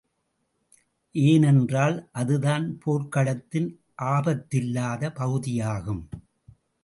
ஏனென்றால் அதுதான் போர்க்களத்தின் ஆபத்தில்லாத பகுதியாகும்.